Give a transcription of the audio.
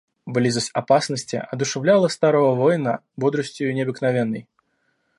Близость опасности одушевляла старого воина бодростию необыкновенной.